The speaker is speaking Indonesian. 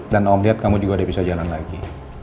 dan om lihat kamu juga udah bisa jalan lagi